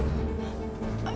aku harus berbuat sesuatu